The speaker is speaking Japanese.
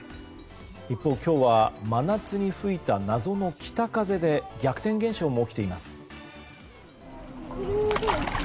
一方、今日は真夏に吹いた謎の北風で逆転現象も起きています。